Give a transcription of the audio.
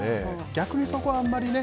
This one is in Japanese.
逆にそこは、あんまりね。